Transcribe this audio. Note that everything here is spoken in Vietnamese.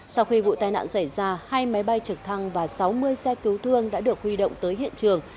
sau khi vụ tai nạn xảy ra hai máy bay trực thăng và sáu mươi xe cứu thương đã được huy động tới hiện trường